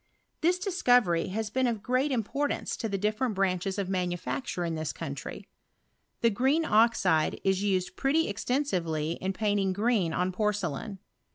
This discovery lias been of very great im portance to different branches of manufacture in this country. The green oxide is used pretty esten srvely in painting green on porcelain.